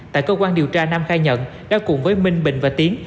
tại cơ quan điều tra nam khai nhận đã cùng với minh bình và tiến